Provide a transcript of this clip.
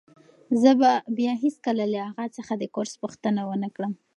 زه به بیا هیڅکله له اغا څخه د کورس پوښتنه ونه کړم.